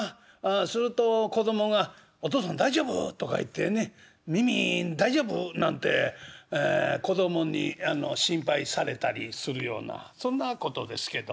すると子供が「お父さん大丈夫？」とか言ってね「耳大丈夫？」なんて子供に心配されたりするようなそんなことですけど。